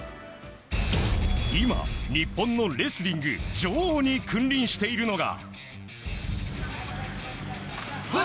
今、日本のレスリング女王に君臨しているのが。